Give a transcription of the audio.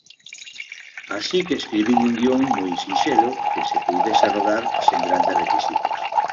Así que escribín un guión moi sinxelo que se puidese rodar sen grandes requisitos.